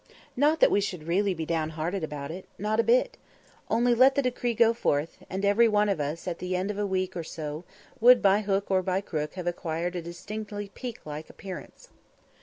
Not that we should really be downhearted about it. Not a bit. Only let the decree go forth, and every one of us, at the end of a week or so, would by hook or by crook have acquired a distinctly peak like appearance.